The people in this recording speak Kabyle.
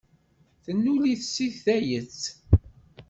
Tennul-it seg tayet.